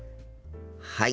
はい。